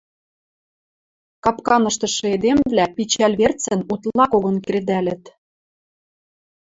Капканыштышы эдемвлӓ пичӓл верцӹн утла когон кредӓлӹт.